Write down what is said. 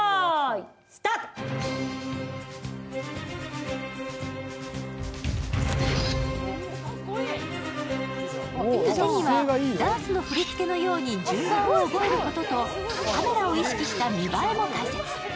たてにはダンスの振り付けのように順番を覚えることとカメラを意識した見栄えも大切。